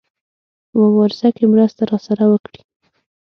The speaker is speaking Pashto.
په مبارزه کې مرسته راسره وکړي.